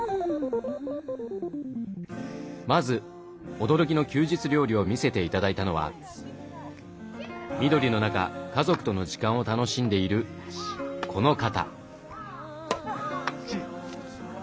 まず驚きの休日料理を見せて頂いたのは緑の中家族との時間を楽しんでいるこの方。